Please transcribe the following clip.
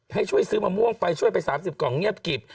ให้ช่วยซื้อมะม่วงไปช่วยไป๓๐กล่องเงียบกิบ